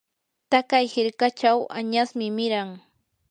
taqay hirkachaw añasmi miran.